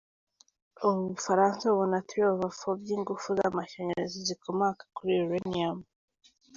U Bufaransa bubona ¾ by’ingufu z’amashanyarazi zikomoka kuri Uranium.